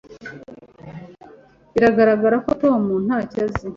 Biragaragara ko Tom ntacyo azi.